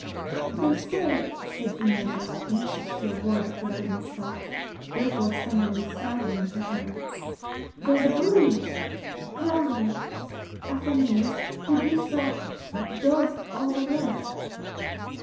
"They say," said Ginevra, anxious to avoid the forbidden Scotch, therefore stumbling sadly in her utterance, "there's a broonie brownie at the Mains, who dis a' does all the work."